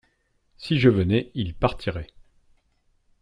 Si je venais, il partirait.